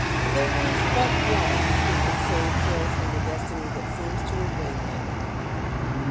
There is but one who could save Phil from the destiny that seems to await him.